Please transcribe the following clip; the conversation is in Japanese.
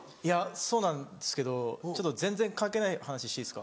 そうなんですけどちょっと全然関係ない話していいですか。